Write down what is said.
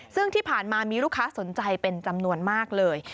ซึ่งที่ผ่านมามีลูกค้าสนใจเป็นจำนวนมากเลย